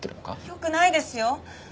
よくないですよ！